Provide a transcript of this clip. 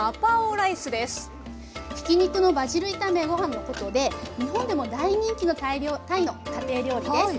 ひき肉のバジル炒めごはんのことで日本でも大人気のタイの家庭料理です。